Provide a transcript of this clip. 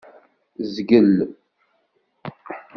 Zgel.